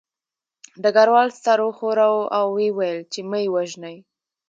ډګروال سر وښوراوه او ویې ویل چې مه یې وژنئ